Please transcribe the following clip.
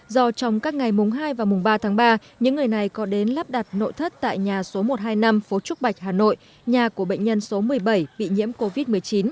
do trong các ngày mùng hai và mùng ba tháng ba những người này có đến lắp đặt nội thất tại nhà số một trăm hai mươi năm phố trúc bạch hà nội nhà của bệnh nhân số một mươi bảy bị nhiễm covid một mươi chín